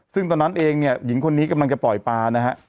ซึ่งตอนนั้นเองเนี่ยหญิงคนนี้กำลังจะปล่อยปลานะฮะ